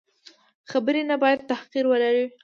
خبرې نه باید تحقیر ولري.